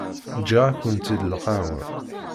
Giɣ-akent-id lqahwa.